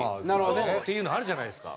っていうのあるじゃないですか。